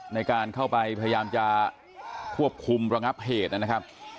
ในการเข้าไปพยายามจะควบคุมระงับเหตุนะครับ